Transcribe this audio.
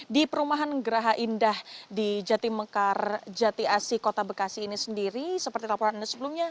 di perumahan geraha indah di jatimekar jati asi kota bekasi ini sendiri seperti laporan anda sebelumnya